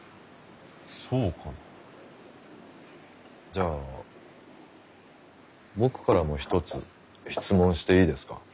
じゃあ僕からも一つ質問していいですか？